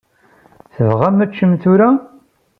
Tebɣamt ad teččemt tura?